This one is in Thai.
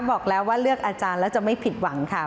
บอกแล้วว่าเลือกอาจารย์แล้วจะไม่ผิดหวังค่ะ